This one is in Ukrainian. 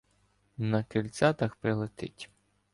На крильцятах прилетить!